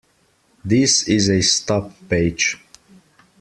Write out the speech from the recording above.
This is a stub page.